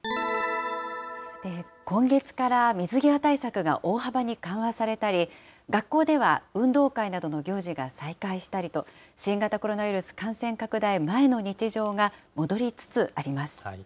今月から水際対策が大幅に緩和されたり、学校では運動会などの行事が再開したりと、新型コロナウイルス感染拡大前の日常が戻りつつあります。